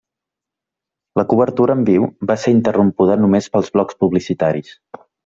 La cobertura en viu va ser interrompuda només pels blocs publicitaris.